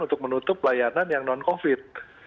untuk menutup layanan yang non covid